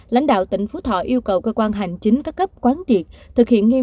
lãnh đạo tỉnh phú thọ yêu cầu cơ quan hành chính các cấp quán triệt thực hiện nghiêm